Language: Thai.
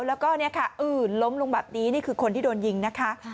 แล้วก็เนี่ยค่ะอื่นล้มลงแบบนี้นี่คือคนที่โดนยิงนะคะ